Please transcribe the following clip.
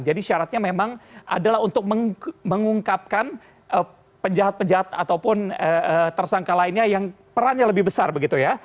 jadi syaratnya memang adalah untuk mengungkapkan penjahat penjahat ataupun tersangka lainnya yang perannya lebih besar begitu ya